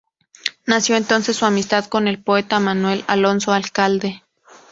Nació entonces su amistad con el poeta Manuel Alonso Alcalde.